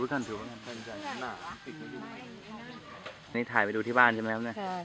โปรดติดตามตอนต่อไป